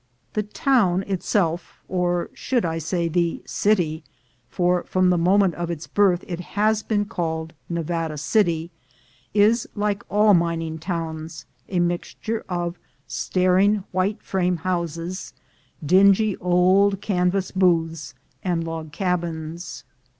The town itself — or, I should say, the "City," for from the moment of its birth it has been called Nevada City — is, like all mining towns, a mixture of staring white frame houses, dingy old canvas booths, and log cabins.